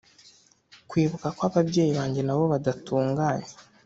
Kwibuka ko ababyeyi banjye na bo badatunganye